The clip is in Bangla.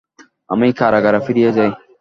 আমি কারাগারে ফিরিয়া যাই।